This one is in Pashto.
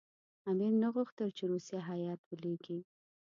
امیر نه غوښتل چې روسیه هېئت ولېږي.